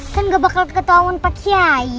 kan ga bakal ketawa sama pak kiai